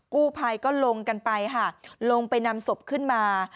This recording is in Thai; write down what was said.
กู้ภัยก็ลงกันไปค่ะลงไปนำศพขึ้นมา